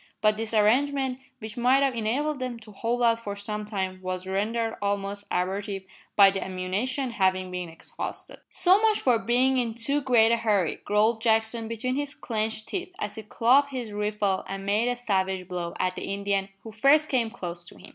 But this arrangement, which might have enabled them to hold out for some time, was rendered almost abortive by the ammunition having been exhausted. "So much for bein' in too great a hurry!" growled Jackson between his clenched teeth, as he clubbed his rifle and made a savage blow at the Indian who first came close to him.